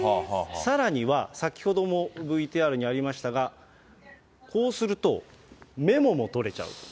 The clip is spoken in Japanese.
さらには先ほどもＶＴＲにありましたが、こうすると、メモも取れちゃう。